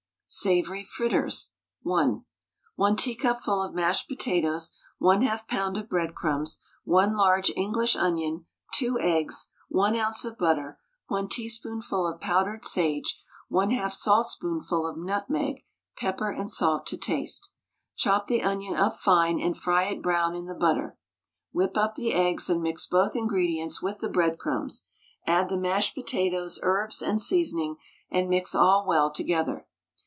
SAVOURY FRITTERS (1). 1 teacupful of mashed potatoes, 1/2 lb. of breadcrumbs, 1 large English onion, 2 eggs, 1 oz. of butter, 1 teaspoonful of powdered sage, 1/2 saltspoonful of nutmeg, pepper and salt to taste. Chop the onion up fine and fry it brown in the butter. Whip up the eggs and mix both ingredients with the breadcrumbs; add the mashed potatoes, herbs, and seasoning, and mix all well together.